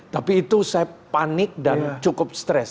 tapi itu saya panik dan cukup stres